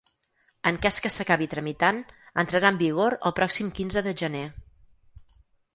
En cas que s’acabi tramitant, entrarà en vigor el pròxim quinze de gener.